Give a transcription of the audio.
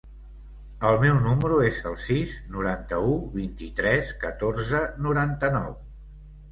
El meu número es el sis, noranta-u, vint-i-tres, catorze, noranta-nou.